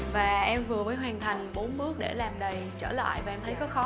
và em vừa mới hoàn thành bốn bước để làm đầy trở lại và em thấy có khó